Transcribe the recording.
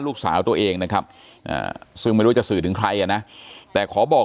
ลูกสาวตัวเองนะครับซึ่งไม่รู้จะสื่อถึงใครนะแต่ขอบอก